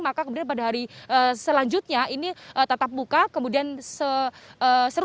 maka kemudian pada hari selanjutnya ini tetap buka kemudian seru